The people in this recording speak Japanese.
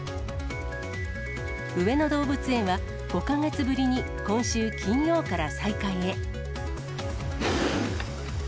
上野動物園は、５か月ぶりに今週金曜から再開へ。